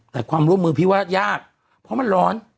แต่ความร่วมมือพี่ว่ายากเพราะมันร้อน